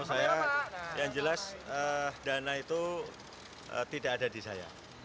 saya yang jelas dana itu tidak ada di saya